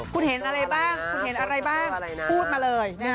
คุณเห็นอะไรบ้างคุณเห็นอะไรบ้างพูดมาเลย